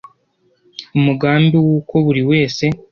umugambi wuko buri wese